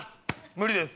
無理です。